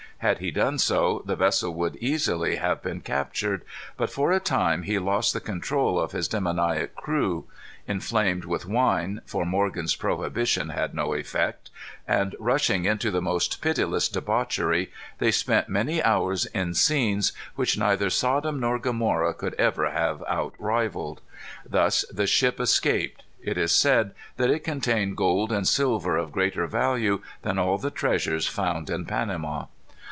Had he done so the vessel would easily have been captured. But for a time he lost the control of his demoniac crew. Inflamed with wine for Morgan's prohibition had no effect and rushing into the most pitiless debauchery, they spent many hours in scenes which neither Sodom nor Gomorrah could ever have outrivalled. Thus the ship escaped. It is said that it contained gold and silver of greater value than all the treasures found in Panama.